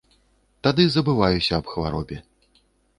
Тады забываюся аб хваробе.